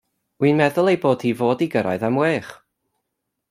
Wi'n meddwl ei bod hi fod i gyrredd am whech.